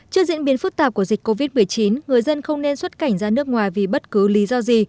trước diễn biến phức tạp của dịch covid một mươi chín người dân không nên xuất cảnh ra nước ngoài vì bất cứ lý do gì